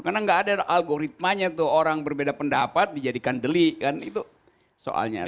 karena gak ada algoritmanya tuh orang berbeda pendapat dijadikan deli kan itu soalnya